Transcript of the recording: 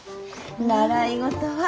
習い事は。